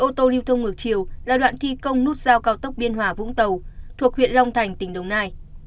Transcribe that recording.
ô tô lưu thông ngược chiều là đoạn thi công nút giao cao tốc biên hòa vũng tàu thuộc huyện long thành tỉnh đồng nai